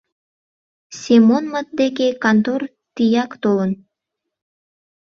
Семонмыт деке кантор тияк толын.